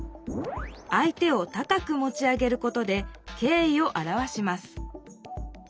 相手を高くもち上げることで敬意をあらわします